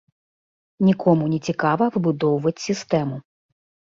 Нікому не цікава выбудоўваць сістэму.